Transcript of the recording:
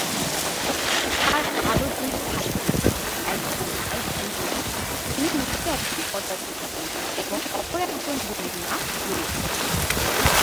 তার আরো দুই ভাইবোন আছে, একজন ভাই জুলিয়াস যিনি নিজেই একজন পদার্থবিজ্ঞানী এবং অপর একজন বোনের নাম রুথ।